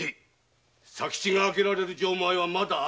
佐吉が開けられる錠前はまだあるな？